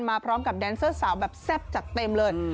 มาพร้อมกับแดนเซอร์สาวแบบแซ่บจัดเต็มเลย